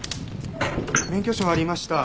免許証ありました。